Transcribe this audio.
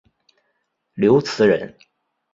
刘词人。